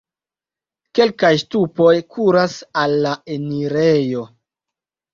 Kelkaj ŝtupoj kuras al la enirejo.